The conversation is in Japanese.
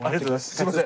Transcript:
すいません。